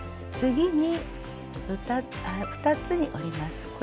次に２つに折ります。